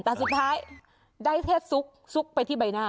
แต่สุดท้ายได้แค่ซุกซุกไปที่ใบหน้า